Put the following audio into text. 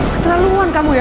keterlaluan kamu ya